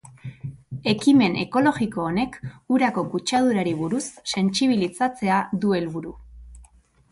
Ekimen ekologiko honek urako kutsadurari buruz sentsibilizatzea du helburu.